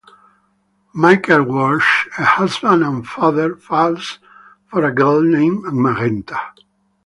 Michael Walsh, a husband and father, falls for a girl named Magenta.